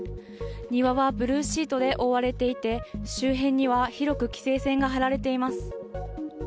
庭はブルーシートで覆われていて周辺には広く規制線が張られています。